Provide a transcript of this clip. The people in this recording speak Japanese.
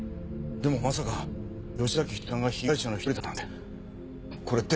でもまさか吉仁美さんが被害者の１人だったなんて。